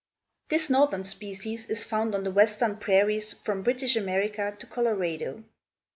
This northern species is found on the western prairies from British America to Colorado.